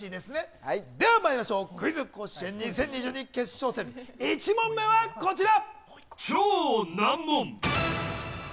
ではまいりましょうクイズ甲子園２０２２決勝戦１問目はこちら！